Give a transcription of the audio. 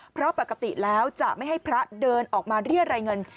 เพราะปกติแล้วจะไม่ให้พระเดินออกมาเรียรายเงิน